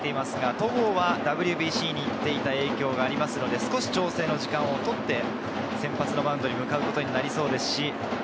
戸郷はＷＢＣに行っていた影響がありますので、少し調整の時間をとって先発のマウンドに向かうことになりそうです。